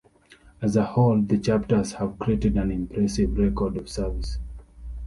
As a whole, the chapters have created an impressive record of service.